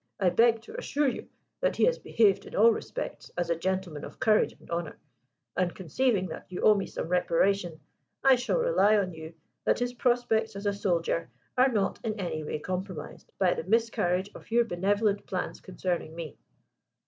I beg to assure you that he has behaved in all respects as a gentleman of courage and honour: and, conceiving that you owe me some reparation, I shall rely on you that his prospects as a soldier are not in any way compromised by the miscarriage of your benevolent plans concerning me."